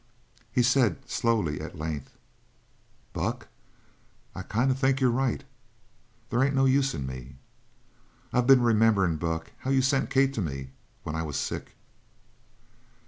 He said slowly, at length: "Buck, I kind of think you're right. They ain't no use in me. I been rememberin', Buck, how you sent Kate to me when I was sick."